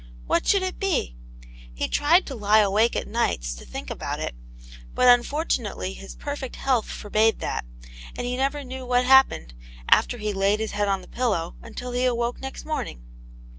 What should it be ? He tried to lie awake at nights to think ' about it, but unfortunately his perfect health forbade that, and he never knew what happened after he laid his head on his pillow until he awoke next morning.